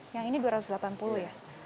yang ini dua ratus delapan puluh ya